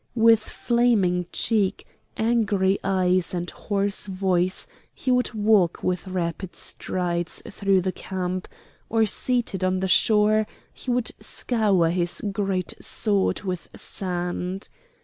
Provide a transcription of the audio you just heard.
With flaming cheek, angry eyes, and hoarse voice, he would walk with rapid strides through the camp; or seated on the shore he would scour his great sword with sand.